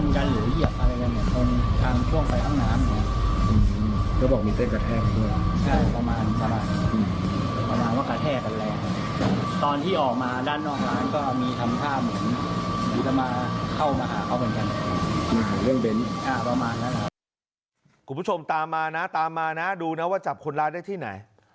คุณผู้ชมตามมานะตามมานะดูนะว่าจับคนร้ายได้ที่ไหน